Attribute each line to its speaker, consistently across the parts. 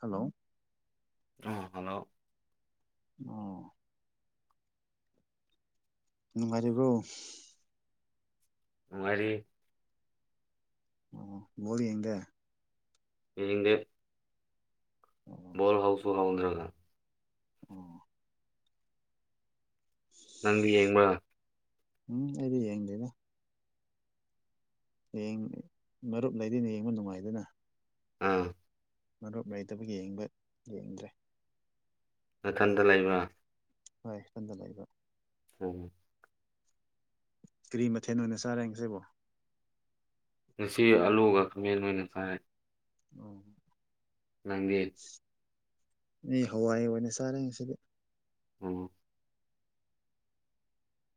Speaker 1: hello
Speaker 2: ꯑꯥ hello
Speaker 1: ꯑꯣ ꯅꯨꯡꯉꯥꯏꯔꯤꯕ꯭ꯔꯣ
Speaker 2: ꯅꯨꯉꯥꯏꯔꯤ
Speaker 1: ꯑꯣ ꯃꯔꯤ ꯌꯦꯗꯦ
Speaker 2: ꯌꯦꯒ
Speaker 1: ꯑꯣ
Speaker 2: ꯣꯜ ꯍꯥꯎꯁ ꯔꯥꯎꯗ꯭ꯔꯒ
Speaker 1: ꯑꯣ
Speaker 2: ꯅꯪꯗꯨ ꯌꯦꯡꯕ
Speaker 1: ꯎꯝ ꯑꯩꯗꯤ ꯌꯦꯡꯗꯗ ꯃꯔꯨꯞ ꯂꯩꯗꯅ ꯌꯦꯡꯕ ꯅꯨꯡꯉꯥꯏꯗꯅ
Speaker 2: ꯑꯥ
Speaker 1: ꯃꯔꯨꯞ ꯂꯩꯇꯕ ꯌꯦꯡꯕ ꯌꯦꯡꯗ꯭ꯔꯦ
Speaker 2: ꯃꯊꯟꯇ ꯂꯩꯕ
Speaker 1: ꯍꯣꯏ ꯁꯟꯗ ꯂꯩꯥꯛꯏꯕ
Speaker 2: ꯎꯝ
Speaker 1: ꯀꯔꯤ ꯃꯊꯦꯜ ꯑꯣꯏꯅ ꯆꯥꯔꯦ ꯉꯁꯤꯕꯣ
Speaker 2: ꯉꯁꯤ ꯑꯂꯨꯒ ꯈꯥꯃꯦꯟꯣꯏꯅꯁꯥꯏꯔ
Speaker 1: ꯎꯝ
Speaker 2: ꯅꯪꯒꯦ
Speaker 1: ꯏ ꯍꯋꯥꯏꯏ ꯑꯣꯏꯅ ꯆꯥꯔꯦꯁꯤꯗꯤ
Speaker 2: ꯎꯝ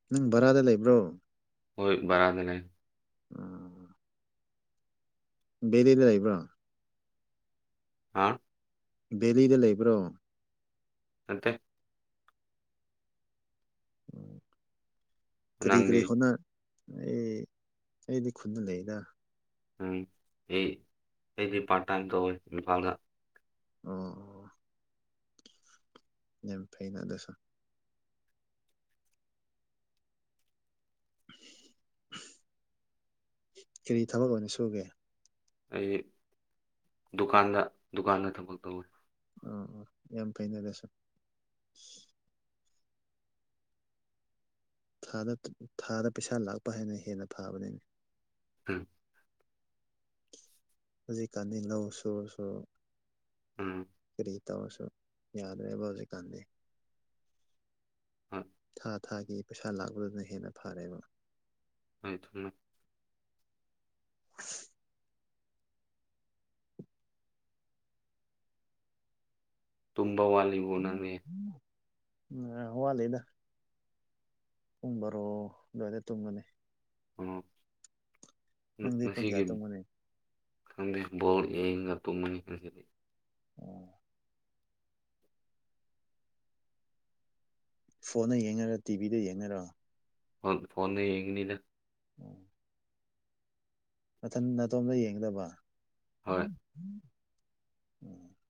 Speaker 1: ꯅꯪ ꯕꯔꯥꯗ ꯂꯩꯕ꯭ꯔꯣ
Speaker 2: ꯍꯕꯔꯗꯅꯦ
Speaker 1: ꯦꯔꯅ ꯂ ꯂꯩꯕ꯭ꯔꯥ
Speaker 2: ꯍꯥ
Speaker 1: ꯗꯦꯂꯤꯗ ꯂꯩꯕ꯭ꯔꯣ
Speaker 2: ꯑꯠꯇꯦ
Speaker 1: ꯀꯔꯤ
Speaker 2: ꯅꯪꯗꯤ
Speaker 1: ꯀꯔꯤ ꯍꯅ ꯑꯩ ꯑꯩꯗꯤ ꯈꯨꯠꯅ ꯂꯩꯗ
Speaker 2: ꯎꯝ ꯑꯩ ꯑꯩꯗꯤ ꯄꯥꯔꯠ ꯇꯥꯏꯝ ꯇꯧꯋꯦ ꯏꯝꯐꯥꯜꯗ
Speaker 1: ꯑꯣ ꯑꯣ ꯌꯥꯝ ꯐꯩꯅꯗꯁꯣ ꯀꯔꯤ ꯊꯕꯛ ꯑꯅꯤ ꯁꯨꯒꯦ
Speaker 2: ꯑꯩ ꯗꯨꯀꯥꯟꯗ ꯗꯨꯀꯥꯟꯗ ꯊꯕꯛ ꯇꯧꯋꯤ
Speaker 1: ꯑ ꯌꯥꯝ ꯐꯅꯔꯁꯣ ꯥꯗ ꯊꯥꯗ ꯄꯩꯁꯥ ꯂꯥꯛꯄ ꯍꯥꯏꯅ ꯍꯦꯟꯅ ꯐꯥꯕꯅꯤꯅ
Speaker 2: ꯑꯝ
Speaker 1: ꯍꯧꯖꯤꯛꯀꯥꯟꯅꯤ ꯂꯧ ꯁꯨꯔꯁꯨ
Speaker 2: ꯎꯝ
Speaker 1: ꯇꯧꯃꯁꯨ ꯌꯥꯗ꯭ꯔꯦꯕ ꯍꯧꯖꯤꯛꯀꯥꯟꯗꯤ
Speaker 2: ꯍꯣꯏ
Speaker 1: ꯊꯥ ꯊꯥꯒꯤ ꯄꯩꯁꯥ ꯂꯥꯛꯄꯗꯨꯅ ꯍꯦꯟꯅ ꯐꯥꯔꯦꯕ
Speaker 2: ꯍꯥꯏ ꯊꯃꯦ ꯕꯋꯥꯂꯤꯕ ꯅꯅꯦ
Speaker 1: ꯑ ꯍ ꯂꯩꯦꯗ ꯄꯨꯡ ꯕꯔꯣ ꯑꯗꯨꯋꯥꯏꯗ ꯇꯨꯝꯒꯅꯤ
Speaker 2: ꯑꯣ
Speaker 1: ꯅꯪꯗꯤ ꯄꯨꯡ ꯀꯌꯥ ꯇꯣꯡꯕꯅꯤ
Speaker 2: ꯁꯗꯕꯣꯜ ꯌꯦ ꯉ ꯇꯨꯝꯃꯅꯤꯁꯤꯗꯤ
Speaker 1: ꯑꯣ ꯐꯣꯟꯗ ꯌꯦꯡꯅꯔ ꯇꯤꯚꯤꯗ ꯌꯦꯡꯅꯔ
Speaker 2: ꯐ ꯐꯣꯟꯣꯟ ꯌꯦꯉꯅꯤꯅ
Speaker 1: ꯎꯝ ꯃꯊꯟ ꯑꯇꯣꯝꯗ ꯌꯦꯡꯗꯕ
Speaker 2: ꯍꯣꯏ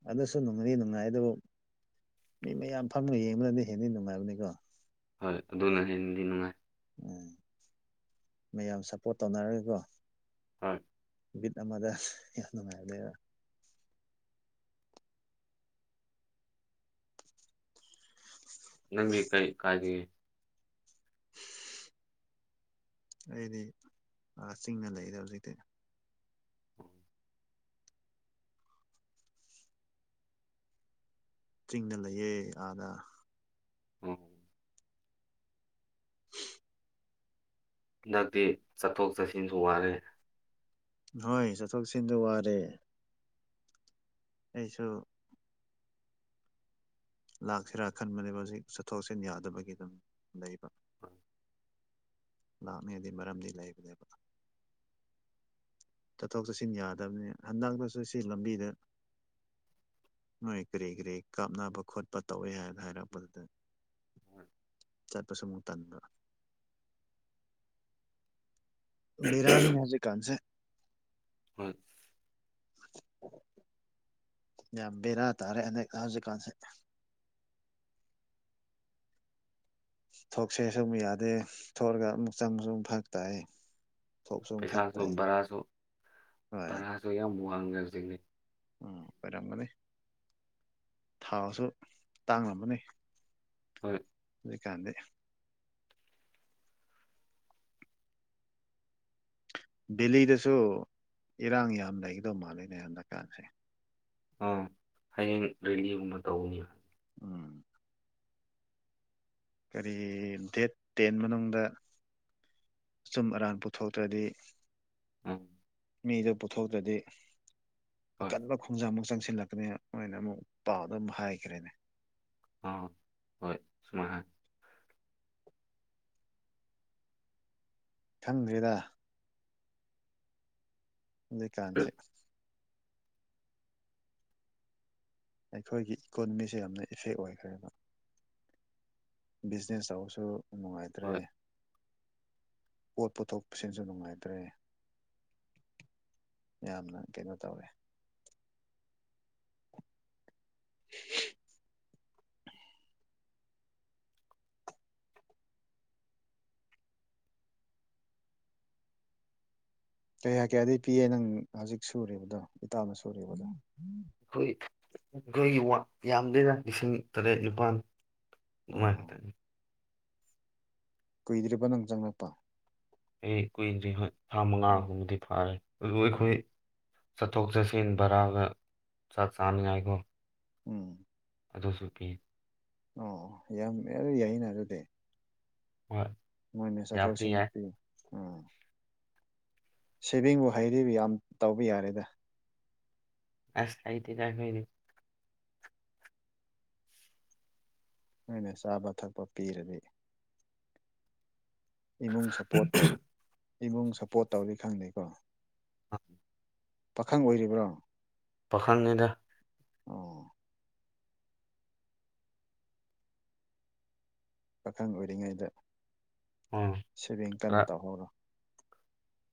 Speaker 1: ꯑꯗꯁꯨꯣ ꯅꯉꯅꯤ ꯅꯅꯨꯡꯉꯥꯏꯗꯣ ꯃꯤ ꯃꯌꯥꯝ ꯐꯝꯃ ꯌꯦꯡꯕꯅꯗꯤ ꯍꯦꯟꯅꯗꯤ ꯅꯨꯡꯉꯥꯏꯕꯅꯤꯀꯣ
Speaker 2: ꯍꯣꯏ ꯑꯗꯨꯅ ꯍꯦꯟꯅꯗꯤ ꯅꯨꯡꯉꯥꯏ
Speaker 1: ꯎꯝ ꯃꯌꯥꯝ ꯁꯞꯄꯣꯔꯠ ꯇꯧꯅꯔꯒꯦꯀꯣ
Speaker 2: ꯎꯝ
Speaker 1: ꯕꯤꯠ ꯑꯃꯗ ꯌꯥꯝ ꯅꯨꯡꯉꯥꯏꯔꯅꯦꯕ
Speaker 2: ꯅꯪꯒꯤ ꯀꯩ ꯀꯥꯗꯦ
Speaker 1: ꯑꯩꯗꯤ ꯆꯤꯡꯅ ꯂꯩꯔꯤꯗ ꯍꯧꯖꯤꯛꯇꯤ ꯆꯤꯡꯅ ꯂꯩꯌꯦ ꯑꯥꯗ
Speaker 2: ꯎꯝ ꯍꯟꯗꯛꯇꯤ ꯆꯠꯊꯣꯛ ꯆꯠꯁꯤꯟꯁꯨ ꯋꯥꯔꯦ
Speaker 1: ꯅꯣꯏ ꯆꯠꯊꯣꯛ ꯁꯤꯟꯗ ꯋꯥꯔꯦ ꯑꯩꯁꯨ ꯂꯥꯛꯁꯤꯔꯥ ꯈꯟꯕꯅꯦꯕ ꯍꯧꯖꯤꯛ ꯆꯠꯊꯣꯛ ꯆꯠꯁꯤꯟ ꯌꯥꯗꯕꯒꯤ ꯑꯗꯨꯝ ꯂꯩꯕ ꯂꯥꯃꯤꯗꯤ ꯃꯔꯝꯗꯤ ꯂꯩꯕꯗꯕ ꯆꯠꯊꯣꯛ ꯆꯠꯁꯤꯟ ꯌꯥꯗꯕꯅꯤ ꯍꯟꯗꯛꯇꯁꯨ ꯁꯤ ꯂꯝꯕꯤꯗ ꯅꯣꯏ ꯀꯔꯤ ꯀꯔꯤ ꯀꯥꯞꯅꯕ ꯈꯣꯠꯄ ꯇꯧꯏ ꯍꯥꯏꯅ ꯍꯥꯏꯔꯛꯄꯗꯨꯗ ꯆꯠꯄꯁꯨꯃꯨꯛ ꯇꯥꯟꯗ ꯕꯤꯔꯅꯤ ꯅ ꯍꯧꯖꯤ ꯀꯥꯟꯁꯦ
Speaker 2: ꯍꯣꯏ
Speaker 1: [unintelligible] ꯌꯥꯝ ꯕꯦꯔꯥ ꯇꯥꯔꯦ ꯑ ꯍꯧꯖꯤꯛꯀꯥꯟꯁꯦ ꯊꯣꯛꯁꯦ ꯁꯨꯝ ꯌꯥꯗꯦ ꯊꯣꯛꯂꯒ ꯑꯃꯨꯛ ꯆꯪꯁꯨ ꯑꯃ ꯐꯛ ꯇꯥꯛ
Speaker 2: ꯄꯩꯁꯥꯁꯨ ꯚꯔꯥꯁꯨ
Speaker 1: ꯍꯣꯏ
Speaker 2: ꯚꯔꯥꯁꯨ ꯌꯥꯝ ꯋꯥꯡꯉꯦ ꯍꯧꯖꯤꯛꯅꯦ
Speaker 1: ꯎꯝ ꯑꯣꯏꯔꯝꯒꯅꯤ ꯊꯥꯁꯨ ꯇꯥꯡꯂꯝꯝꯒꯅꯤ
Speaker 2: ꯍꯣꯏ
Speaker 1: ꯀꯥꯟꯗꯦ ꯕꯦꯂꯤꯗꯁꯨ ꯏꯔꯥꯡ ꯌꯥꯝ ꯂꯩꯒꯗꯧ ꯃꯥꯜꯂꯦꯅꯦ ꯌꯥꯝ ꯗꯔꯀꯥꯟꯁꯦ
Speaker 2: ꯑ ꯍꯌꯦꯡ ꯔꯦꯂꯤꯒꯨꯝꯅ ꯇꯧꯅꯤ
Speaker 1: ꯎꯝ ꯀꯔꯤ ꯗꯦꯠ ꯇꯦꯟ ꯃꯅꯨꯡꯗ ꯑꯆꯨꯝ ꯑꯔꯥꯟ ꯄꯨꯊꯣꯛꯇ꯭ꯔꯗꯤ
Speaker 2: ꯎꯝ
Speaker 1: ꯃꯤꯗꯨ ꯄꯨꯊꯣꯛꯇ꯭ꯔꯗꯤ
Speaker 2: ꯍꯣꯏ
Speaker 1: ꯑꯀꯟꯕ ꯈꯣꯡꯖꯪ ꯑꯃ ꯆꯪ ꯄꯨꯁꯤꯜꯂꯛꯀꯅꯤ ꯃꯅ ꯑꯃꯨꯛ ꯄꯥꯎꯗ ꯑꯃꯨꯛ ꯍꯥꯏꯈ꯭ꯔꯦꯅꯦ
Speaker 2: ꯑ ꯍꯣꯏꯃꯥ
Speaker 1: ꯈꯪꯗ꯭ꯦꯗ ꯀꯥꯟꯁꯤ ꯑꯩꯈꯣꯏꯒꯤ ꯏꯀꯣꯅꯣꯃꯤꯁꯦ ꯌꯥꯝꯅ ꯏꯐꯦꯛ ꯑꯣꯏꯈ꯭ꯔꯦꯕ ꯕꯤꯖꯤꯅꯦꯁ ꯇꯧꯕꯁꯨ ꯅꯨꯡꯉꯥꯏꯇ꯭ꯔꯦ
Speaker 2: ꯍꯣꯏ
Speaker 1: ꯄꯣꯠ ꯄꯨꯊꯣꯛꯄꯁꯤꯁꯨ ꯅꯨꯡꯉꯥꯏꯇ꯭ꯔꯦ ꯌꯥꯝꯅ ꯀꯩꯅꯣ ꯇꯧꯋꯦ [inaudible] ꯀꯩ ꯍꯥꯏꯀꯦ ꯑꯗꯨꯩ ꯄꯤꯌꯦ ꯅꯪ ꯍꯧꯖꯤꯛ ꯁꯨꯔꯤꯕꯗꯣ ꯏꯇꯥꯅ ꯁꯨꯔꯤꯕꯗꯣ
Speaker 2: ꯑꯩꯈꯣꯏ ꯑꯩꯣꯏꯒꯤ ꯥꯛ ꯌꯥꯝꯗꯅ ꯂꯤꯁꯤꯡ ꯇꯔꯦꯠ ꯅꯤꯄꯥꯜ
Speaker 1: ꯑꯥ
Speaker 2: ꯃꯥꯏꯇ
Speaker 1: ꯀꯨꯏꯗ꯭ꯔꯤꯕ ꯅꯪ ꯆꯪꯅꯄꯥ
Speaker 2: ꯑꯩ ꯀꯨꯏꯗ ꯊꯥ ꯃꯉꯥꯒꯨꯝꯕꯗꯤ ꯐꯥꯔꯦ ꯑꯗꯨꯕꯨ ꯑꯩꯈꯣꯏ
Speaker 1: ꯑꯣ
Speaker 2: ꯁꯇꯣꯛꯁꯦ ꯁꯤꯟ ꯚꯔꯥꯒ ꯁꯥꯠ ꯁꯥꯡ ꯌꯥꯥꯏꯈꯣ
Speaker 1: ꯎꯝ
Speaker 2: ꯑꯗꯨꯁꯨ ꯄꯤ
Speaker 1: ꯑꯣ ꯌꯥꯝꯃꯦ ꯑꯗꯨ ꯌꯥꯏꯩꯅ ꯑꯗꯨꯗꯤ
Speaker 2: ꯍꯣꯏ
Speaker 1: ꯃꯣꯏꯅ
Speaker 2: ꯌꯥꯕꯗꯤ ꯌꯥꯏ
Speaker 1: ꯆꯠꯊꯣꯛꯁꯤꯟꯃꯄꯤꯤꯌꯨ ꯁꯤꯚꯤꯡꯕꯨ ꯍꯩꯔꯤꯕ ꯌꯥꯝ ꯇꯧꯕ ꯌꯥꯔꯦꯗ
Speaker 2: ꯑ ꯁꯥꯏꯇꯤꯗꯣꯏꯅꯦ
Speaker 1: ꯅꯣꯏꯅ ꯆꯥꯕ ꯊꯛꯄ ꯄꯤꯔꯗꯤ ꯏꯃꯨꯡ ꯁꯞꯄꯣꯔꯠ ꯏꯃꯨꯡ ꯁꯞꯄꯣꯔꯠ ꯇꯧꯔꯤ ꯈꯪꯗꯦꯀꯣ
Speaker 2: ꯑ
Speaker 1: ꯄꯥꯈꯪ ꯑꯣꯏꯔꯤꯕ꯭ꯔꯣ
Speaker 2: ꯄꯥꯈꯥꯟꯅꯤꯗ
Speaker 1: ꯑꯣ ꯄꯥꯈꯪ ꯑꯣꯏꯔꯤꯉꯩꯗ
Speaker 2: ꯎꯝ
Speaker 1: ꯁꯦꯚꯦꯡ ꯀꯟꯅ
Speaker 2: ꯈꯔ
Speaker 1: ꯇꯧꯍꯧꯔꯣ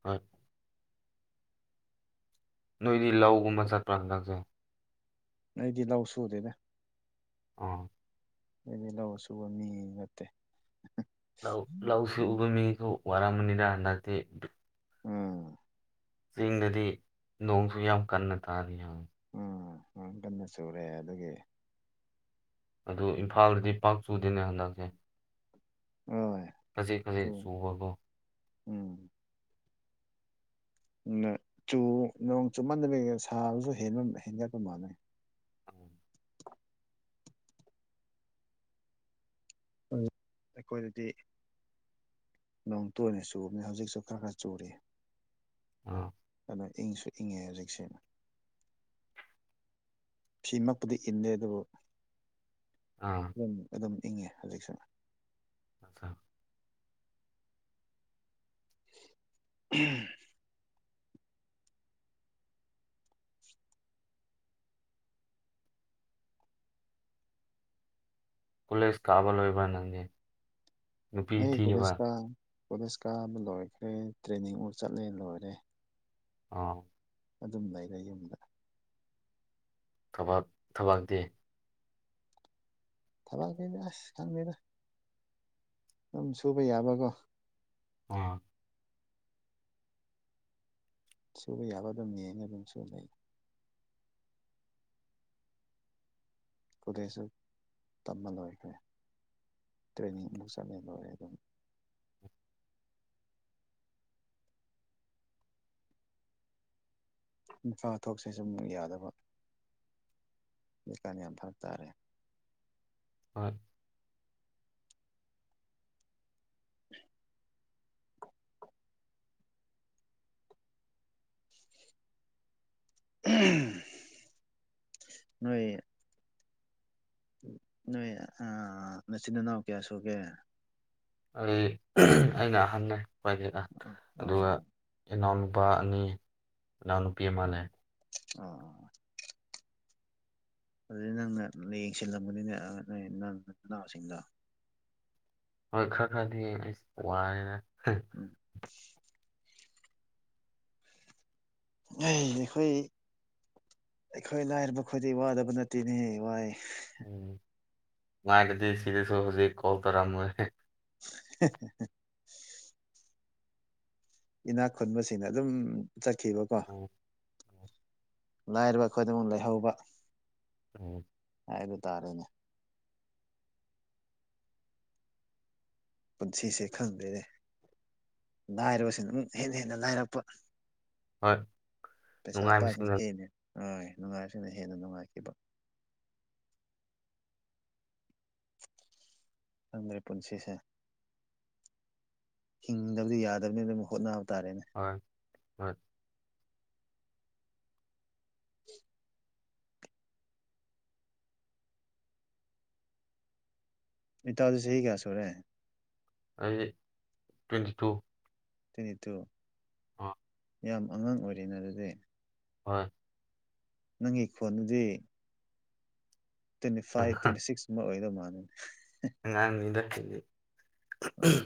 Speaker 2: ꯍꯣꯏ ꯅꯣꯏꯗꯤ ꯂꯧꯒꯨꯝꯕ ꯆꯠꯄ꯭ꯔꯥ ꯍꯟꯗꯛꯁꯦ
Speaker 1: ꯑꯩꯗꯤ ꯂꯧ ꯁꯨꯗꯦꯅꯦ
Speaker 2: ꯑ
Speaker 1: ꯑꯗꯨꯗꯤ ꯂꯧꯁꯨꯕ ꯃꯤ ꯅꯠꯇꯦ ꯎꯝ
Speaker 2: ꯂꯧꯁꯤ ꯎꯕꯃꯤ ꯀꯧꯕ ꯋꯥꯔ ꯃꯅꯔ ꯑꯗꯥꯥꯇꯦ
Speaker 1: ꯎꯝ
Speaker 2: ꯆꯤꯡꯗꯗꯤ ꯅꯣꯡꯁꯨ ꯌꯥꯝ ꯀꯟꯅ ꯇꯥꯅꯤ ꯍꯥꯏ
Speaker 1: ꯎ ꯀꯟꯅ ꯆꯨꯔꯦ ꯑꯗꯨꯒꯤ
Speaker 2: ꯑꯗꯨ ꯏꯝꯐꯥꯜꯗꯗꯤ ꯄꯥꯛ ꯆꯨꯗꯦꯅꯦ ꯍꯟꯗꯛꯁꯦ
Speaker 1: ꯍꯣꯏ
Speaker 2: ꯈꯖꯤꯛ ꯈꯖꯤꯛ ꯁꯨꯕꯔꯕꯣ
Speaker 1: ꯎꯝ ꯆꯨ ꯅꯣꯡ ꯆꯨꯞꯃꯟꯗꯕꯤ ꯁꯥꯕꯁꯨ ꯍꯦꯟꯒꯠꯄ ꯃꯥꯅꯩ ꯑꯩꯈꯣꯏꯗꯗꯤ ꯅꯣꯡꯇꯨꯅꯤ ꯆꯨꯕꯅꯤ ꯍꯧꯖꯤꯛꯁꯨ ꯈꯔ ꯈꯔ ꯆꯨꯔꯤ
Speaker 2: ꯑ
Speaker 1: ꯏꯪꯁꯨ ꯏꯪꯉꯦ ꯍꯧꯖꯤꯛꯁꯅ ꯐꯃꯛꯄꯨꯗꯤ ꯏꯟꯗꯦ ꯑꯗꯨꯕꯨ
Speaker 2: ꯑꯥ
Speaker 1: ꯑꯗꯨꯝ ꯑꯗꯨꯝ ꯏꯪꯉꯦ ꯍꯧꯖꯤꯛꯁꯤꯅ
Speaker 2: ꯑꯆꯥ
Speaker 1: ꯎꯝ
Speaker 2: ꯀꯣꯂꯦꯖ ꯀꯥꯕ ꯂꯣꯏꯕ ꯅꯪꯅꯤ
Speaker 1: ꯑꯩ ꯀꯣꯂꯦꯖ ꯀꯥ ꯀꯣꯂꯦꯖ ꯀꯥꯕ ꯂꯣꯏꯈ꯭ꯔꯦ ꯇ꯭ꯔꯦꯅꯤꯡ ꯑꯃꯨ ꯆꯠꯂꯦ ꯂꯣꯏꯔꯦ
Speaker 2: ꯑꯥ
Speaker 1: ꯑꯗꯨꯝ ꯂꯩꯔꯦ ꯌꯨꯝꯗ
Speaker 2: ꯊꯕꯥꯛ ꯊꯕꯥꯛꯇꯦ
Speaker 1: ꯊꯕꯛꯒꯅꯦ ꯑꯁ ꯈꯪꯕꯤꯕ ꯑꯗꯨꯝ ꯁꯨꯕ ꯌꯥꯕꯀꯣ
Speaker 2: ꯑ
Speaker 1: ꯁꯨꯕ ꯌꯥꯕ ꯑꯗꯨꯝꯅꯦꯅ ꯑꯗꯨꯝ ꯁꯨꯅꯩ ꯈꯨꯗꯁꯨ ꯇꯝꯕꯜ ꯂꯏꯈꯦ ꯇ꯭ꯔꯦꯅꯤ ꯃꯨꯁꯗꯅꯦ ꯑꯗꯨ ꯏꯝꯐꯥ ꯊꯣꯛꯁꯤ ꯁꯨꯝ ꯌꯥꯗꯕ ꯂꯩꯀꯥꯟ ꯌꯥꯝ ꯐꯔꯕ ꯇꯥꯔꯦ
Speaker 2: ꯍ
Speaker 1: ꯅꯣꯏꯣꯏ ꯅꯣꯏ ꯃꯆꯤꯟ ꯏꯅꯥꯎ ꯀꯌꯥ ꯁꯨꯒꯦ
Speaker 2: ꯑꯩ ꯑꯩꯅ ꯑꯍꯟꯅ ꯂꯩ ꯈ꯭ꯋꯥꯏꯗꯒꯤ ꯑ ꯑꯗꯨꯒ
Speaker 1: ꯑꯣ
Speaker 2: ꯏꯅꯥꯎ ꯅꯨꯄꯥ ꯑꯅꯤ ꯏꯅꯥꯎꯅꯨꯄꯤ ꯑꯃꯅꯦ
Speaker 1: ꯑ ꯑꯗꯨꯗꯤ ꯅꯪꯅ ꯌꯦꯡꯁꯤꯜꯂꯝꯕꯅꯤꯅꯦ ꯅ ꯅꯪ ꯅꯅꯥꯎꯁꯤꯡꯗ
Speaker 2: ꯍꯣꯏ ꯈꯔ ꯈꯔꯅꯤ ꯑꯩꯁ ꯋꯥꯔ
Speaker 1: ꯎꯝ ꯑꯩꯈꯣꯏ ꯑꯩꯈꯣꯏ ꯂꯥꯏꯔꯕ ꯈꯗꯤ ꯋꯥꯗꯕ ꯅꯠꯇꯦꯅꯦ ꯋꯥꯏ
Speaker 2: ꯎꯝ ꯃꯥꯏꯗꯤ ꯁꯤꯗ ꯁ ꯍꯧꯁꯦ ꯀꯣꯜ ꯇꯔ
Speaker 1: [unintelligible] ꯏꯅꯥꯛ ꯈꯨꯟꯁꯤꯡꯅ ꯑꯗꯨꯝ ꯆꯠꯈꯤꯕꯀꯣ
Speaker 2: ꯎꯝ
Speaker 1: ꯂꯥꯏꯔꯕ ꯑꯩꯈꯣꯏꯗꯤꯡꯃꯛ ꯂꯩꯍꯧꯕ
Speaker 2: ꯎꯝ
Speaker 1: ꯍꯥꯏꯕ ꯇꯥꯔꯦꯅꯦ ꯄꯨꯟꯁꯤꯁꯦ ꯈꯪꯗꯦꯅꯦ ꯂꯥꯏꯔꯕꯁꯤ ꯑꯗꯨꯝ ꯍꯦꯟꯅ ꯍꯦꯟꯅ ꯂꯥꯏꯔꯛꯄ
Speaker 2: ꯍꯣꯏ ꯅꯨꯡꯉꯥꯏꯕꯁꯤꯡꯅ
Speaker 1: ꯄꯩꯁꯥꯄꯥꯦꯅꯦ ꯍ ꯅꯨꯡꯉꯥꯏꯔꯁꯤꯅꯦ ꯍꯦꯟꯅ ꯅꯨꯡꯉꯥꯏꯈꯤꯕ ꯃꯔꯤ ꯄꯨꯟꯁꯤꯁꯦ ꯍꯤꯡꯗꯕꯗꯤ ꯌꯥꯗꯕꯅꯤꯅ ꯑꯗꯨꯝ ꯍꯣꯠꯅꯕ ꯇꯥꯔꯦꯅꯦ
Speaker 2: ꯍꯣꯏ ꯍꯣꯏ
Speaker 1: ꯎ ꯏꯇꯗꯤ ꯁ ꯀꯌꯥ ꯁꯔꯦ
Speaker 2: ꯑꯩ ꯇ꯭ꯋꯦꯟꯇꯤ ꯇꯨ
Speaker 1: ꯇ ꯇꯣ
Speaker 2: ꯑꯥ
Speaker 1: ꯌꯥꯝ ꯑꯉꯥꯡ ꯑꯣꯏꯔꯤꯦꯅ ꯑꯗꯨꯗꯤ
Speaker 2: ꯍꯣꯏ
Speaker 1: ꯅꯪꯒꯤ ꯈꯣꯟꯗꯨꯗꯤ ꯇ꯭ꯋꯦꯟꯇꯤ ꯐꯥꯏꯚ ꯇ꯭ꯋꯦꯟꯇꯤ ꯁꯤꯛꯁ ꯑꯃ ꯑꯣꯏꯗꯧ ꯃꯥꯥꯟꯅꯤ
Speaker 2: ꯉꯥꯡꯅꯤꯗ
Speaker 1: ꯑꯥ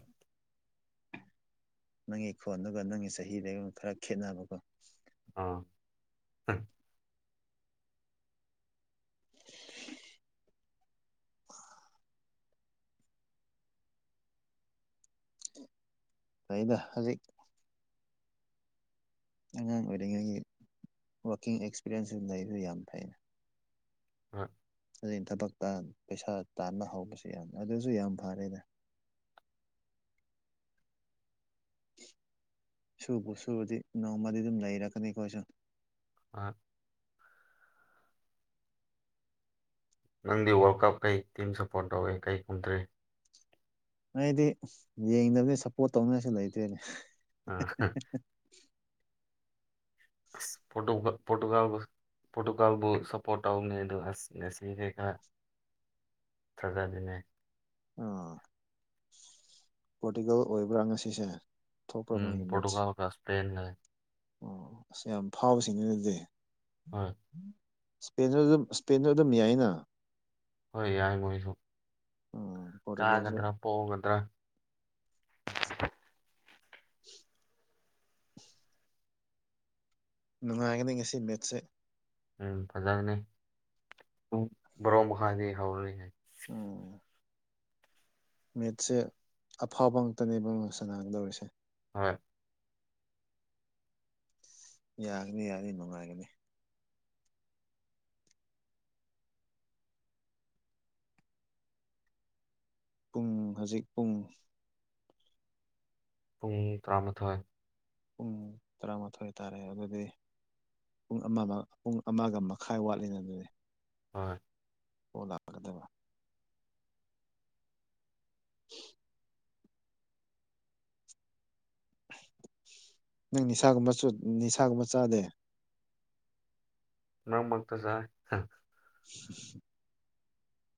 Speaker 1: ꯅꯪꯒꯤ ꯈꯣꯟꯗꯨꯒ ꯅꯪꯒꯤ ꯆꯍꯤꯗꯒꯨꯝ ꯈꯔ ꯈꯦꯠꯅꯕꯀꯣ
Speaker 2: ꯑꯥ
Speaker 1: ꯇꯩꯗ ꯍꯧꯖꯤꯛ ꯑꯉꯥꯡ ꯑꯣꯏꯔꯤꯉꯩꯒꯤ ꯔꯀꯤꯡ ꯑꯦꯛꯁꯄꯤꯔꯤꯦꯟꯁꯁꯨ ꯂꯩꯕꯁꯨ ꯌꯥꯝ ꯐꯩꯩꯅ
Speaker 2: ꯑ
Speaker 1: ꯑꯗꯨꯩ ꯊꯕꯛꯇ ꯄꯩꯁꯥ ꯇꯥꯟꯕ ꯍꯧꯕꯁꯨ ꯌꯥꯝꯅꯤ ꯑꯗꯨꯁꯨ ꯌꯥꯝ ꯐꯔꯦꯗ
Speaker 2: [unintelligible]
Speaker 1: ꯁꯨꯕꯨ ꯁꯨꯕꯗꯤ ꯅꯣꯡꯃꯗꯤ ꯑꯗꯨꯝ ꯂꯩꯔꯛꯀꯅꯤꯀꯣꯁꯨ
Speaker 2: ꯑ ꯅꯪꯗꯤ ꯋꯥꯔꯜ ꯀꯞ ꯀꯩ ꯇꯤꯝ ꯁꯞꯄꯣꯔꯠ ꯇꯧꯏꯦ ꯀꯩ ꯀꯨꯝꯗ꯭ꯔꯤ
Speaker 1: ꯑꯩꯗꯤ ꯌꯦꯡꯗꯕꯗꯤ ꯁꯞꯄꯣꯔꯠ ꯇꯧꯅꯤꯡꯉꯥꯏꯁꯨ ꯂꯩꯇꯦꯅꯦ
Speaker 2: ꯑꯥ ꯐꯣꯇꯣ ꯐꯣꯇꯣꯒ ꯄꯣꯔꯇꯨꯒꯥꯜꯕꯨ ꯁꯞꯄꯣꯔꯠ ꯇꯧꯅꯦ ꯑꯗꯨ ꯑꯁ ꯉꯁꯤꯈꯩ ꯈ ꯊꯖꯗꯨꯅꯦ
Speaker 1: ꯑ ꯄꯣꯔꯇꯤꯒꯜ ꯑꯣꯏꯕ꯭ꯔꯥ ꯉꯁꯤꯁꯦ ꯊꯣꯛꯄ꯭ꯔꯥ
Speaker 2: ꯎꯝ
Speaker 1: ꯃꯣꯏꯒꯤ ꯃꯦꯠꯁ
Speaker 2: ꯄꯣꯔꯇꯨꯒꯜꯒ ꯁꯄꯩꯅꯒ
Speaker 1: ꯑꯣ ꯑꯁ ꯌꯥꯝ ꯐꯥꯕꯁꯤꯅꯤ ꯑꯗꯨꯗꯤ
Speaker 2: ꯍꯣꯏ
Speaker 1: ꯏꯁꯄ ꯑꯗꯨꯝ ꯏꯁꯄꯦꯟꯗ ꯑꯗꯨꯝ ꯌꯥꯏꯅ
Speaker 2: ꯍꯣꯏ ꯌꯥꯏ ꯃꯣꯏꯁꯨ
Speaker 1: ꯎꯝ ꯄꯣꯔꯇꯨꯒꯜꯁꯨ
Speaker 2: ꯀꯥꯒꯗ꯭ꯔꯥ ꯄꯣꯛꯒꯗ꯭ꯔꯥ
Speaker 1: ꯀ ꯅꯨꯡꯉꯥꯏꯒꯅꯤ ꯉꯁꯤ ꯃꯤꯠꯁꯦ
Speaker 2: ꯎꯝ ꯐꯖꯅꯤ ꯕ꯭ꯔꯣꯛ ꯃꯈꯥꯗꯤ ꯍꯧꯔꯔꯤ ꯍꯥꯏ
Speaker 1: ꯎꯝ ꯃꯦꯠꯁꯦ ꯑꯐꯥꯎꯕ ꯉꯛꯇꯅꯦꯕ ꯁꯅꯒꯗꯧꯔꯤꯁꯦ
Speaker 2: ꯍꯣꯏ
Speaker 1: ꯌꯥꯒꯅꯤ ꯌꯥꯅꯤ ꯅꯨꯡꯉꯥꯏꯒꯅꯤ ꯄꯨꯡ ꯍꯧꯖꯤꯛ ꯄꯨꯡ
Speaker 2: ꯄꯨꯡ ꯇꯔꯥꯃꯥꯊꯣꯏ
Speaker 1: ꯄꯨꯡ ꯇꯔꯥꯃꯥꯊꯣꯏ ꯇꯥꯔꯦ ꯑꯗꯨꯗꯤ ꯄꯨꯡ ꯑꯃ ꯄꯨꯡ ꯑꯃꯒ ꯃꯈꯥꯏ ꯋꯥꯠꯂꯤꯉꯗꯨꯅꯤ
Speaker 2: ꯍꯣꯏ
Speaker 1: ꯑꯣꯂꯥꯛꯀꯗꯕ ꯀ ꯅꯪ ꯅꯤꯁꯥꯒꯨꯝꯕ ꯅꯤꯁꯥꯒꯨꯝꯕ ꯆꯥꯗꯦ
Speaker 2: ꯅꯪ ꯃꯒ ꯇꯁꯥꯏ
Speaker 1: [inaudible]